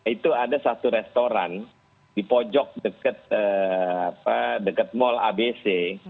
itu ada satu restoran di pojok dekat mall abc